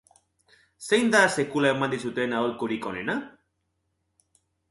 Zein da sekula eman dizuten aholkurik onena?